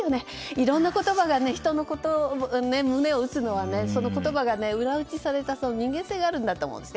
いろいろな言葉が人の胸を打つのは、その言葉が裏打ちされた人間性があるんだと思います。